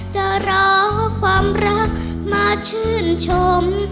จะรอความรักมาชื่นชม